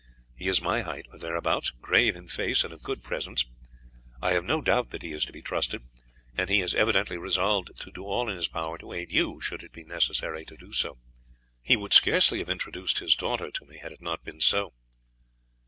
"He is my height or thereabouts, grave in face and of good presence. I have no doubt that he is to be trusted, and he has evidently resolved to do all in his power to aid you, should it be necessary to do so. He would scarce have introduced his daughter to me had it not been so."